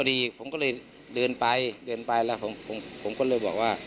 จนใดเจ้าของร้านเบียร์ยิงใส่หลายนัดเลยค่ะ